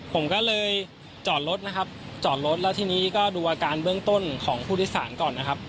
ผมก็เลยจอดรถนะครับจอดรถแล้วทีนี้ก็ดูอาการเบื้องต้นของผู้โดยสารก่อนนะครับ